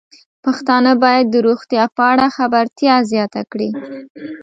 پښتانه بايد د روغتیا په اړه خبرتیا زياته کړي.